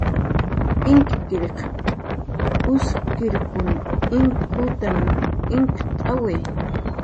Inkkiriq uskirkun inkutanw inkt'awi